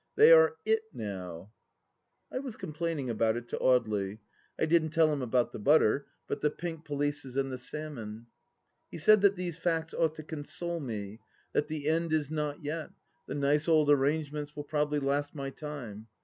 They are It now 1 I was complaining about it to Audely — ^I didn't tell him about the butter, but the pink pelisses and the salmon. He said that these facts ought to console me, that the end is not yet, the nice old arrangements will probably last my time.